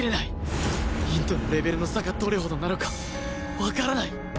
凛とのレベルの差がどれほどなのかわからない